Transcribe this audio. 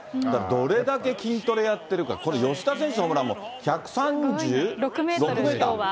どれだけ筋トレやってるか、これ、吉田選手のホームランも１３６メーター、きょうは。